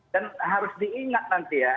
dan harus diingat nanti ya